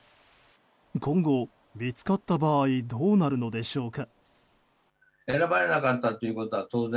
今後、見つかった場合どうなるのでしょうか。